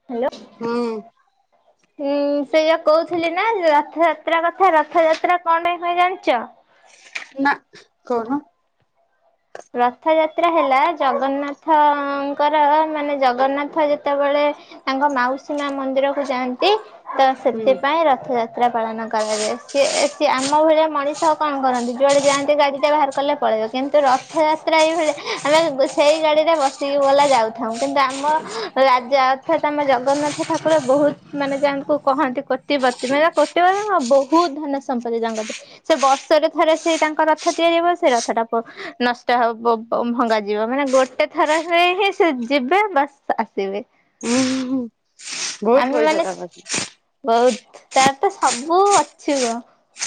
ହୁଁ। ହୁଁ ସେଇଆ କହୁଥିଲି ନା। ଯାତ୍ରା କଥା ରଥଯାତ୍ରା କଣ ପାଇଁ ହୁଏ ଜାଣିଛ। ନା କଣ। ରଥ ଯାତ୍ରା ହେଲା ଜଗନ୍ନାଥଙ୍କର ମାନେ ଜଗନ୍ନାଥ ଯେତେବେଳେ ତାଙ୍କ ମାଉସୀ ମା ମନ୍ଦିର କୁ ଯାଆନ୍ତି। ତ ସେଥିପାଇଁ ରଥଯାତ୍ରା ପାଳନ କରାଯାଏ। ସିଏ ସିଏ ଆମ ଭଳିଆ ମଣିଷ କଣ କରନ୍ତି ଯୁଆଡେ ଯାଆନ୍ତି ଗାଡି ଟା ବାହାର କଲେ ପଳେଇବ କିନ୍ତୁ ର ରଥଯାତ୍ରା ଏଇ ଭଳି ଆମେ ସେଇ ଗାଡ଼ିରେ ବସିକି ଗଲା ଯାଉଥାଉ କିନ୍ତୁ ଆମ ରାଜା ଅର୍ଥାତ ଆମ ଜଗନ୍ନାଥ ଠାକୁର ବହୁତ ମାନେ ଯାହାଙ୍କୁ କହନ୍ତି କୋଟିପତିୀ କୋଟି ପତି କଣ ବହୁତ୍ ବହୁତ ଧନ ସମ୍ପତ୍ତି ତାଙ୍କ ସେ ବର୍ଷରେ ଥରେ ସେ ତାଙ୍କ ରଥ ତିଆରି ହେବ ସେ ରଥ ଟା ନସ ବ-ଭଙ୍ଗା ଯିବ ମାନେ ଗୋଟେ ଥରରେ ହିଁ ସେ ଯିବେ ବାସ୍ ଆସିବେ। ହୁଁ ବହୁତ ଆମେ ପଇସା ମାନେ ତା ପାଖରେ ବହୁତ ତାର ତ ସବୁ ଅଛି ଗୋ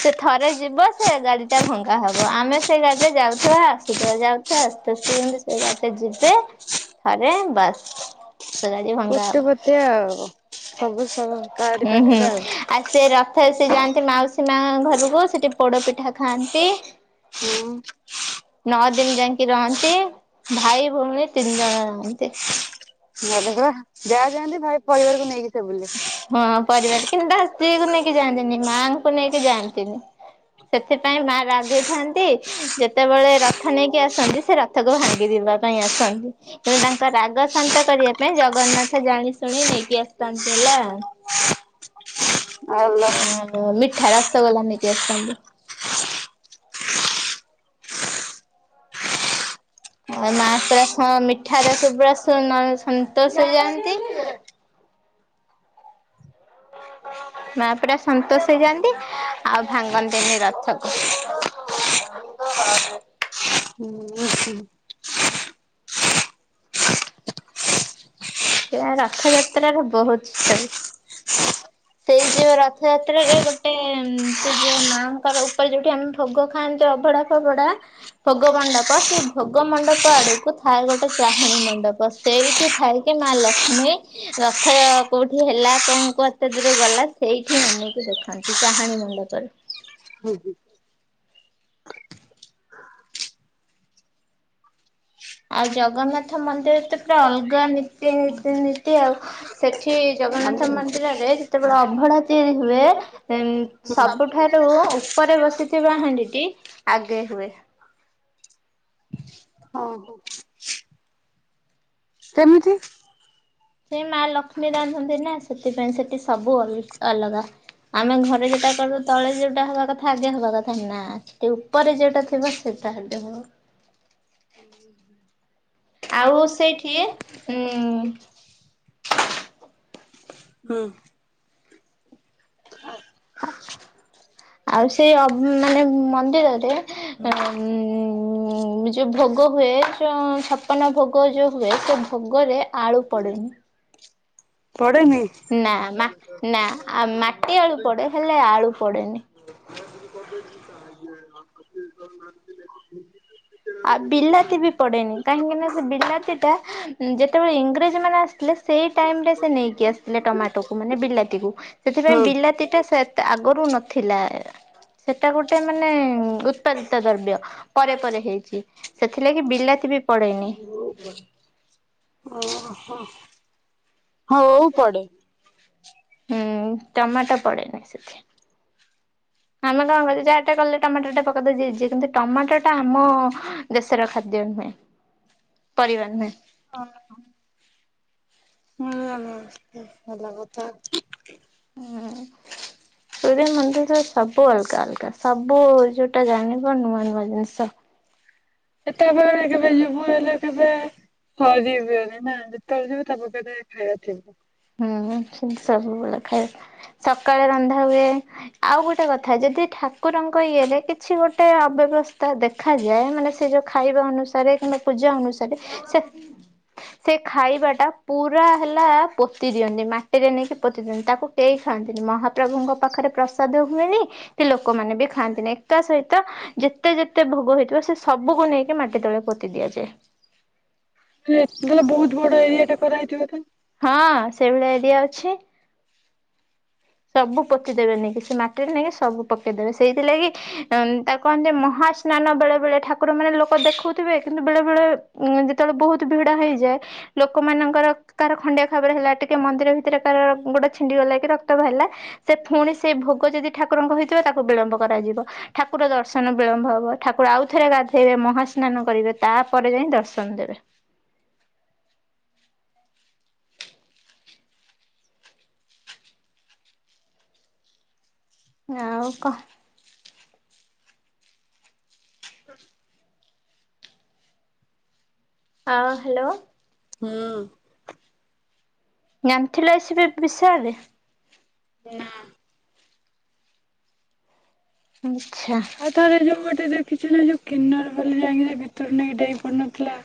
ସେ ଥରେ ଯିବ ସେ ଗାଡି ଟା ଭଙ୍ଗା ହବ ଆମେ ସେ ଗାଡିରେ ଯାଉଥିବା ଆସ ଯାଉଥିବା ଆସୁଥିବା ସେ ସମିତି ବାଟେ ଯିବେ ଥରେ ବାସ୍ ତ ଗାଡି ଭଙ୍ଗା ହବ କୋଟିପତି ଆଉ। ସବୁ ସବୁ ତାରି ହୁଁ ହୁଁ ପାଖରେ ଆଉ ସେ ରଥ ସେ ଯାଆନ୍ତି ମାଉସୀ ମା ଘରକୁ ସେଠି ପୋଡପିଠା ଖାଆନ୍ତି ହୁଁ ନଅ ଦିନ ଯାଇକି ରହନ୍ତି ଭାଇ ଭଉଣୀ ତିନି ଜଣ ରହନ୍ତି। ଭଲ କ ଯାହା ଯାଆନ୍ତି ଭାଇ ପରିବାରକୁ ନେଇକି ସେ ବୁଲେ। ହଁ ପରିବାର କିନ୍ତୁ ତା ସ୍ତ୍ରୀକୁ ନେଇକି ଯାଆନ୍ତି ନି ମାଙ୍କୁ ନେଇକି ଯାଆନ୍ତି ନି ସେଥିପାଇଁ ମା ରାଗେଇଥାନ୍ତି ଯେତେବେଳେ ରଥ ନେଇକି ଆସନ୍ତି ସେ ରଥକୁ ଭାଙ୍ଗି ଦେବେ। ପାଇଁ ଆସନ୍ତି କିନ୍ତୁ ତାଙ୍କ ରାଗ ଶାନ୍ତ କରିବା ପାଇଁ ଜଗନ୍ନାଥ ଜାଣି ଶୁଣି ନେଇକି ଆସିଥାନ୍ତି। ହେଲା, ଭଲ। ଆ ମିଠା ରସଗୋଲା ନେଇକି ଆସିଥାନ୍ତି। ମା ପୁରା ସ ମିଠା ଦେଖୀ ପୁରା ସନ୍ତୋଷ ହେଇଯାଆନ୍ତି। ମା ପୁରା ସନ୍ତୋଷ ହେଇଯାଆନ୍ତି ଆଉ ଭାଙ୍ଗନ୍ତିନି ରଥକୁ। [unintelligible] ହୁଁ ହୁଁ ଏରା ରଥଯାତ୍ର ର ବହୁତ ଷ୍ଟୋରି। ସେଇ ଯଉ ରଥଯାତ୍ରା ରେ ଗୋଟେ ସେ ଯଉ ମା ଙ୍କ ର ଉପରେ ଯୋଉଠି ଆମେ ଭୋଗ ଖାଆନ ଅଭଡା ଫଭଡା ଭୋଗମଣ୍ଡପ ସେଇ ଭୋଗମଣ୍ଡପ ଆଡକୁ ଥାଏ ଗୋଟେ ଚାହାଣୀ ମଣ୍ ମଣ୍ଡପ ସେଇଠି ଥାଇକି ମା ଲକ୍ଷ୍ମୀ ରଥ କୋଉଠି ହେଲା କଣ କୁ କେତେ ଦୂର ଗଲା ସେଇଠି ଅନେଇକି ଦେଖନ୍ତି ଚାହାଣୀ ମୁଣ୍ଡପରୁ। ହୁଁ। ଆଉ ଜଗନ୍ନାଥ ମନ୍ଦିର ତ ପୁରା ଅଲଗା ନୀତି ନୀତି ଆଉ ସେଠି ଜଗନ୍ନାଥ ମନ୍ଦିରରେ ଯେତେବେଳେ ଅବଢ଼ା ତିଆରି ହୁଏ ସବୁଠାରୁ ଉପ ପରେ ବସିଥିବା ହାଣ୍ଡି ଟି ଆଗେ ହୁଏ। ହଁ, କେମିତି ସେ ମା ଲକ୍ଷ୍ମୀ ରାନ୍ଧନ୍ତି ନା ସେଥିପାଇଁ ସେଠି ସବୁ ଅଲ ଅଲଗା। ଆମେ ଘରେ ଯୋଉଟା କରୁ ତଳେ ଯୋଉଟା ହବା କଥା ଆଗେ ହବା କଥା ନା ସେଠି ଉପରେ ଯୋଉଟା ଥିବ ସେ ତାଡ ହ ଆଉ ସେଇଠି ଉଁ ହୁଁ [inaudible] ଆଉ ସେଇ ଅ ମାନେ ମନ୍ଦିର ରେ ଉ ଉ ଯୋଉ ଭୋଗ ହୁଏ ଯ ଛପନ ଭୋଗ ଯୋଉ ହୁଏ ସେ ଭୋଗ ରେ ଆଳୁ ପଡ଼େନି। ପଡେନି ନା ନା ମାଟି ଆଳୁ ପଡେ ହେଲେ ଆଳୁ ପଡେନି। ଆଉ ବିଲାତି ବି ପଡେନି କାହିଁକି ନା ସେ ବିଲାତି ଟା ଯେତେବେଳେ ଇଂରେଜ ମାନେ ଆସିଥିଲେ ସେଇ ଟାଇମ ସେ ନେଇ କି ଆସିଥିଲେ ଟମାଟୋ କୁ ମାନେ ବିଲାତିକୁ ସେଥିପାଇଁ ହୁଁ। ବିଲାତି ଟା ସେ ତ ଆଗରୁ ହଉ ନ ଥିଲା ସେଟା ଗୋଟେ ମାନେ ଉତ୍ପାଦିତ ଦ୍ରବ୍ୟ ପରେ ପରେ ହେଇ ଚି ସେଥିଲାଗି ବିଲାତି ବି ପଡେନି। ଓଉ ପଡେ। ହୁଁ ଟମାଟ ପଡେନି ସେଥିରେ। ଆମେ କଣ କରିଛେ ଯାହାଟା କଲେ ଟମାଟୋ ଟା ପକେଇଦେ ଯିଛିେ କିନ୍ତୁ ଟମାଟୋ ଟା ଆମ ଦେଶର ଖାଦ୍ୟ ନୁହେଁ ପରିବା ନୁହେଁ। ହୁଁ ଭଲ କଥା। ହୁଁ। ସୂର୍ଯ୍ୟ ମନ୍ଦିର ସବୁ ଅଲଗା ଅଲଗା ସବୁ ଯୋଉଟା ଜାଣିବ ନୂଆ ନୂଆ ଜିନିଷ। କେତବେଳେ କେବେ ଯିବୁ ହେଲେ କେବେ। ହଁ ଯିବି ନା ଯେତେବେଳେ ଯିବ ତା ପଖ ଖାଇବା ଥିବ ହୁଁ ସବୁ ବେଳେ ଖାଇବା। ସକାଳେ ରନ୍ଧା ହୁଏ। ଆଉ ଗୋଟେ କଥା ଯଦି ଠାକୁରଙ୍କ ଇଏରେ କିଛି ଗୋଟେ ଅବେ ବ୍ୟବସ୍ଥା ଦେଖାଯାଏ। ମାନେ ସେ ଯୋଉ ଖାଇବା ଅନୁସାରେ କିମ୍ବା ପୂଜା ଅନୁସାରେ ସେ ସେ ଖାଇବା ଟା ପୁରା ହେଲା ପୋତି ଦିଅନ୍ତି ମାଟିରେ ନେଇକି ପୋତି ଦିଅନ୍ତି। ତାକୁ କେହି ଖାଆନ୍ତିନି ମହାପ୍ରଭୁଙ୍କ ପାଖରେ ପ୍ରସାଦ ହୁଏନି କି ଲୋକମାନେ ବି ଖାଆନ୍ତିନି। ଏକା ସହିତ ଯେତେଯେତେ ଭୋଗ ହେଇଥିବ ସେ ସବୁକୁ ନେଇକି ମାଟି ତଳେ ପୋତି ଦିଆଯାଏ। ତାହଲେ ବହୁତ ବଡ ଏରିଆ ଟା କରାହେଇଥିବ ତ? ହଁ ସେଇଭଳିଆ ଏରିଆ ଅଛି। ସବୁ ପୋତିଦେବେ ନେଇକି କି ସେ ମାଟିରେ ନେଇକି ସବୁ ପୋତିଦେବେ ସେଇଥିଲାଗି ଉଁ ତାକୁ କହନ୍ତି ମହା ସ୍ନାନ ବେଳେ ବେଳେ ଠାକୁର ମାନେ ଲୋକ ଦେଖୁଥିବେ। କିନ୍ତୁ ବେଳେ ବଳେ ଉଁ ଯେତେବେଳେ ବହୁତ ଭିଡ ହେଇଯାଏ ଲୋକ ମାନଙ୍କର କାର ଖଣ୍ଡିଆ ଖାବରା ହେଲା ଟିକେ ମନ୍ଦିର ଭିତରେ କାର ଗୋଡ ଛିଣ୍ଡି ଗଲା କି ର [unintelligible] ହେଲା ସେ ପୁଣି ସେ ଭୋଗ ଯଦି ଠାକୁରଙ୍କ ହେଇଥିବ ତାକୁ ବିଳମ୍ବ କରାଯିବ। ଠାକୁର ଦର୍ଶନ ବି ରଭ ହବ ଠାକୁର ଆଉ ଥରେ ଗାଧେଇବେ ମହାସ୍ନାନ କରିବେ। ତାପରେ ଯାଇ ଦର୍ଶନ ଦେବେ। [inaudible] ଆଉ କହ। ହୁଁ। ହଁ ହାଲୋ। ହଁ। ଜାଣିଥିଲ ଏସବି ବିଷୟରେ? ନାଁ। ହୁଁ। ଆଉ ଥରେ ଯୋଉଁ ଗୋଟେ ଦେଖିଛ ନା ଯୋଉ କିନ୍ନର ବୋଲି ଯାଇକି ସେ ଭିତରୁ ନେଇକି ଡେଇଁ ପଡିନଥିଲା।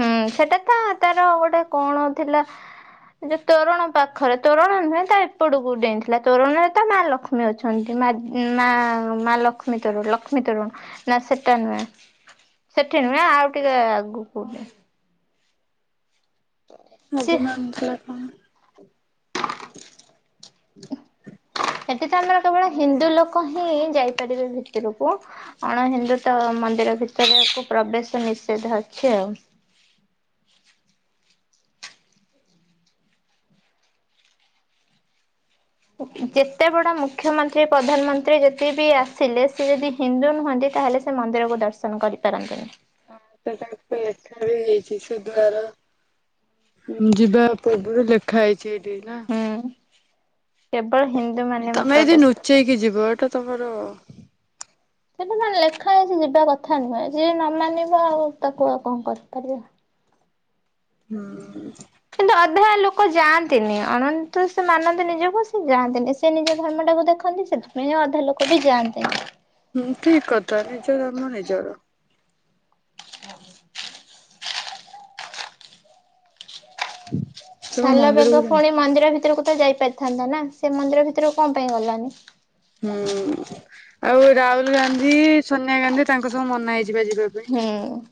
ହୁଁ ସେଟା ତ ତାର ଗୋଟେ କଣ ଥିଲା ଯୋଉଁ ତୋରଣ ପାଖରେ ତୋରଣ ନୁହେଁ ତା ଏପଟକୁ ଡେଇଁଥିଲା ତୋରଣରେ ତା ମା ଲକ୍ଷ୍ମୀ ଅଛନ୍ତି। ମା-ମା-ମା ଲକ୍ଷ୍ମୀ ତରୁଣ ଲକ୍ଷ୍ମୀ ତରୁଣ ନା ସେଟା ନୁହେଁ। ସେଠି ନୁହେଁ ଆଉ ଟିକେ ଆଗକୁ କଉଠି? ଛି ଅଭିମାନଥିଲା କଣ? ସେଠି ତ ଆମର କେବଳ ହିନ୍ଦୁ ଲୋକ ହିଁ ଯାଇପାରିବେ ଭିତରକୁ ଅଣ ହିନ୍ଦୁ ତ ମନ୍ଦି ର ଭିତରେକୁ ପ୍ରବେଶ ନିଷେଧ ଅଛି ଆଉ। ଯେତେ ବଡ ମୁଖ୍ୟମନ୍ତ୍ରୀ ପ୍ରଧାନମନ୍ତ୍ରୀ ଯେତେ ବି ଆସିଲେ ସେ ଯଦି ହିନ୍ଦୁ ନୁହଁନ୍ତି ତାହେଲେ ସେ ମନ୍ଦିରକୁ ଦର୍ଶନ କରିପାରନ୍ତିନି। [unintelligible] ହୁଁ ଯିବା ପୂର୍ବରୁ ଲେଖା ହେଇଛି। ହୁଁ କେବଳ ହିନ୍ଦୁ [unintelligible] ମାନେ ତମେ ଯଦି ପ୍ରବେଶ କର ନୁଚେଇକି ଯିବ ଏଟା ତମର ସେଟା ବା ଲେଖା ହେଇଛି। ଯିବା କଥା ନୁହେଁ ଯିଏ ନ ମାନିବ ଆଉ ତାକୁ ଆଉ କଣ କରିପାରିବା। ହୁଁ। କିନ୍ତୁ ଅଧା ଲୋକ ଯାଆନ୍ତିନି ଅଣନ୍ତୁ ସେ ମାନନ୍ତି ନିଜକୁ ସେ ଯାଆନ୍ତିନି ସେ ନିଜ ଧର୍ମଟା ସବୁ ଦେଖନ୍ତି ସେଥିପାଇଁ ଅଧା ଲୋକ ବି ଯାଆନ୍ତିନି। ହୁଁ ଠିକ କଥା ନିଜର ଧର୍ମ ନିଜର। ହଁ। [inaudible] ସାଲ ବେଗ ମନ୍ଦିରକୁ ପୁଣି ଯାଆନ୍ତି। ମନ୍ଦିର ଭିତରକୁ ତ ଯାଇ ପାରିଥାନ୍ତା ନା ସେ ମନ୍ଦିର ଭିତରକୁ କଣ ପାଇଁ ଗଲାନି। ହୁଁ ଆଉ ରାହୁଲ ଗାନ୍ଧୀ ସୋନିଆ ଗାନ୍ଧୀ ତାଙ୍କ ସବୁ ମନା ହେଇଛି। ଯିବା ଯିବା ପାଇଁ। ହୁଁ।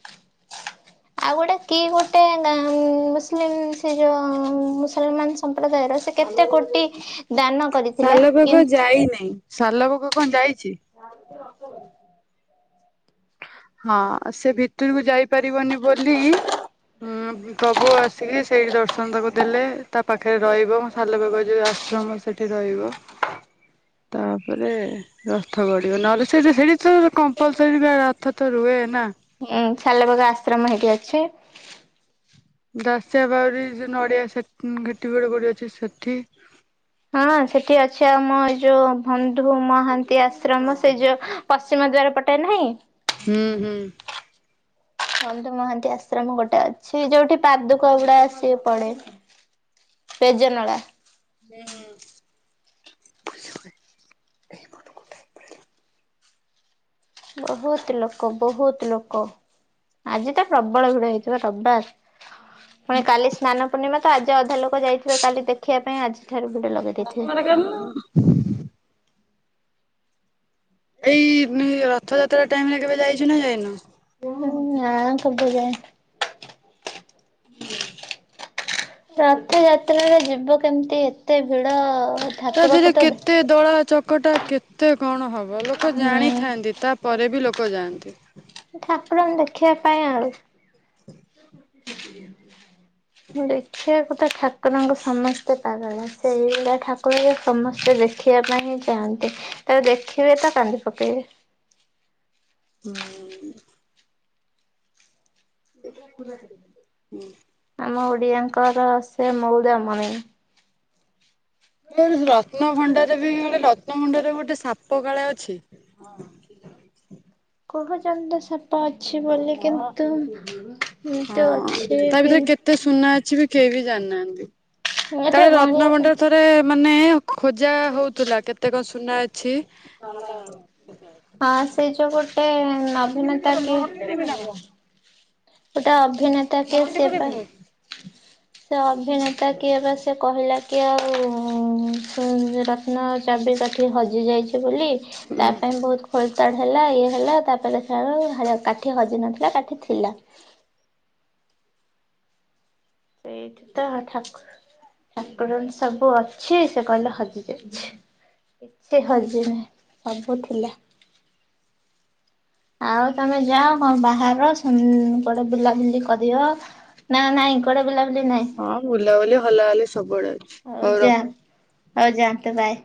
[inaudible] ଆଉ ଗୋଟେ କି ଗୋଟେ ନା ମୁସଲିମ୍ ସେ ଯୋଉ ମୁସଲମାନ ସମ୍ ସମ୍ପ୍ରଦାୟର ସେ କେତେ କୋଟି ଦାନ କରିଥିଲା, କିନ୍ ସାଲବେଗ କଣ ଯାଇ [unintelligible] ହଁ ସେ ଭିତରକୁ ଯାଇପାରିବନି ବୋଲି ଉଁ ପ୍ରଭୁ ଆସ୍ ଆସିକି ସେଇଠି ଦର୍ଶନ ତାକୁ ଦେଲେ ତା ପାଖରେ ରହିବ, ସାଲବେଗ ଯୋଉ ଆଶ୍ରମ ସେଠି ରହିବ। ତାପରେ ରଥ ଗଡ଼ିବ। ନହେଲେ ସେଇଠି ସେଇଠି ସେଇଟି କମ୍ପଲସରିଟା ରଥ ତ ରୁହେ ନା। ସାଲବେଗ ଆଶ୍ରମ ହେଇଠି ଅଛି ଦାସିଆ ବାଉରୀ ଯିଏ ନଡିଆ ସେ ଘାଟି ଗଡ ଗଡି ଅଛି ସେଠି ହଁ ହଁ ସେଠି ଅଛି ଆମ ଏଇ ଯୋଉ ବନ୍ଧୁ ମହାନ୍ତି ଆଶ୍ରମ, ସେଇ ଯୋଉ ପଶ୍ଚିମ ଦ୍ୱାର ପଟେ ନାହିଁ? ହୁଁ ହୁଁ। ବନ୍ଧୁ ମହାନ୍ତି ଆଶ୍ରମ ଗୋଟେ ଅଛି, ଯୋଉଠି ପାଦୁକ ଗୁଡା ଆସିକି ପଡେ। ପେଜ ନଳା। ହୁଁ। ବହୁତ ଲୋକ ବହୁତ ଲୋକ ଆଜି ତ ପ୍ରବଳ ଭିଡ ହେଇଥିବ ରବିବାର। ପୁଣି କାଲି ସ୍ନାନ ପୂର୍ଣ୍ଣିମା ତ ଆଜି ଅଧା ଲୋକ ଯାଇଥିବେ କାଲି ଦେଖିବା ପାଇଁ ଆଜି ଅଧାରୁ ଭିଡ଼ ଲଗେଇ ଦେଇଥିବେ। ଏଇ ରଥଯାତ୍ରା ଟାଇମରେ କେବେ ଯାଇଛୁ ନା ଯାଇନୁ? ନାଁ କେବେ ଯାଇନି। ରଥଯାତ୍ରାରେ ଯିବ କେମତି ଏତେ ଭିଡ ତା ଠାକୁରକୁ ଧେରେ ତ କେତେ ଦଳା ଚକଟା କେତେ କଣ ହବ, ଲୋକ ହୁଁ ଜାଣିଥାନ୍ତି ତା ତାପରେ ବି ଲୋକ ଯାଆନ୍ତି। ଠାକୁରାଣୀ ଦେଖିବା ପାଇଁ ଆଉ। ହ [inaudible] ଦେଖିଆକୁ ତ ଠାକୁରଙ୍କୁ ସମସ୍ତେ ପାଗଳ। ସେଇଲା ଠାକୁରଙ୍କୁ ସମସ୍ତେ ଦେଖିବା ପାଇଁ ଚାହାଁନ୍ତି। ତାକୁ ଦେଖିବେ ତ କାନ୍ଦି ପକେଇବେ। ହୁଁ। ଆମ ଓ ଓଡ଼ିଆଙ୍କର ସିଏ ମଉଡ଼ାମଣି। ସେ ଯୋଉ ରତ୍ନଭଣ୍ଡାର ବି ଗ ରତ୍ନଭଣ୍ଡାର ଗୋଟେ ସାପ କାଳେ ଅଛି? ହ ହୁଁ କହୁଚନ୍ତି ତ ସାପ ଅଛି ବୋଲି କିନ୍ତୁ ହଁ କିନ୍ତୁ ଅଛି ତା କି ଭିତରେ କେତେ ନ ଅଛି ତାହେଲେ ରତ୍ନଭଣ୍ଡାର ଥରେ ମାନେ ଖୋଜା ହଉଥିଲା, କେତେ କଣ ସୁନା ଅଛି। ହଁ ସେଇ ଯୋଗୁ ଗୋଟେ କେମିତି ଅଭିନେତା କଣ କିଏ କଟି ଦେବି ନା କଣ ଗୋଟେ ଅଭିନେତା କିଏ କଟି ସେ ପାଇଁ ପକେଇବି? ସେ ଅଭିନେତା କିଏ ବା ସେ କହିଲା କି ଆଉ ରତ୍ନ ଚାବି କାଠି ହଜି ଯାଇଛି ବୋଲି, ତା ଉଁ ପାଇଁ ବହୁତ ଖୋଳ ତାଡ଼ ହେଲା ଇଏ ହେଲା ତାପରେ ସେଉ କାଠି ହଜି ନଥିଲା କାଠି ଥିଲା। ସେଇଠି ତ ହ ଠାକ ଠାକୁରଙ୍କ ସବୁ ଅଛି, ସେ କହିଲେ ହଜି ଯାଇଛି। କିଛି ହଜିନି ସବୁ ଥିଲା। ଆଉ ତମେ ଯାଅ କଁ ବାହାର ସନ୍ କୁଆଡ଼େ ବୁଲା ବୁଲି କରିବ ନାଁ ନାଇଁ କୁଆଡ଼େ ବୁଲା ହଁ ବୁଲାବୁଲି ହଲା ହଲି ସବୁଆଡେ ଅଛି ହୋଉ ରଖ ହୋଉ ଯାଆନ୍ତୁ ବାଏ।